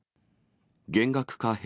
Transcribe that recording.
減額か返